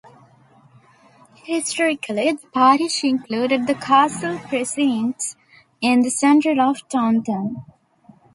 Historically the parish included the castle precincts in the centre of Taunton.